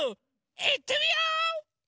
いってみよう！